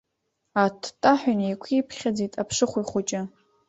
Аттаҳәа инеиқәиԥхьаӡеит аԥшыхәҩ хәыҷы.